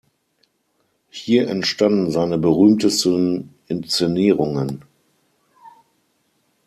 Hier entstanden seine berühmtesten Inszenierungen.